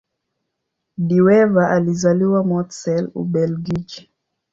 De Wever alizaliwa Mortsel, Ubelgiji.